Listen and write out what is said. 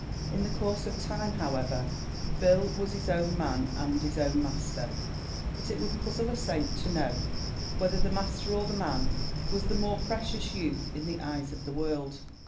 In the course of time, however, Bill was his own man and his own master; but it would puzzle a saint to know whether the master or the man was the more precious youth in the eyes of the world.